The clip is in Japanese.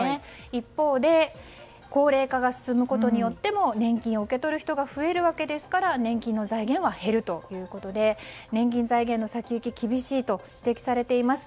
一方で高齢化が進むことによっても年金を受け取る人が増えるわけですから年金の財源は減るということで年金財源の先行き厳しいと指摘されています。